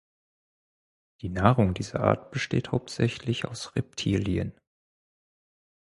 Die Nahrung dieser Art besteht hauptsächlich aus Reptilien.